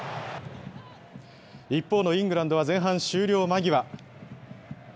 一方のイングランドは前半終了間際。